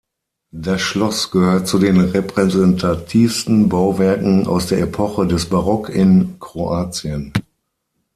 Das Schloss gehört zu den repräsentativsten Bauwerken aus der Epoche des Barock in Kroatien.